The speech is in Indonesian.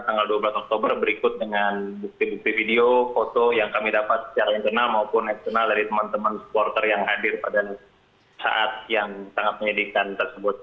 dan tanggal dua belas oktober berikut dengan bukti bukti video foto yang kami dapat secara internal maupun eksternal dari teman teman supporter yang hadir pada saat yang sangat menyedihkan tersebut